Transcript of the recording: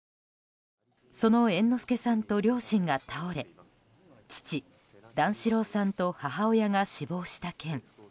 その猿之助さんと両親が倒れ父・段四郎さんと母親が死亡した件。